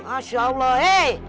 masya allah hei